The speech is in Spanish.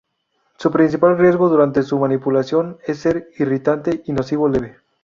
Su principal riesgo durante su manipulación es ser irritante y nocivo leve.